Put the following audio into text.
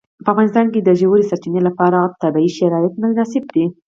په افغانستان کې د ژورې سرچینې لپاره طبیعي شرایط مناسب دي.